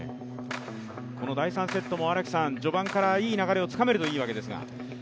この第３セットも序盤からいい流れをつかめるといいですが。